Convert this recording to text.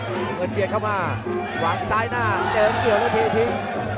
วงเงินเบียนเข้ามาวางซ้ายหน้าเดินเหนียวแล้วเททิ้ง